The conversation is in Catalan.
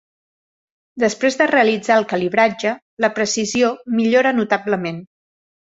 Després de realitzar el calibratge, la precisió millora notablement.